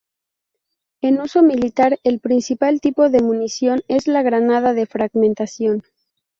En uso militar, el principal tipo de munición es la granada de fragmentación.